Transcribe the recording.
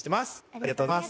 ありがとうございます。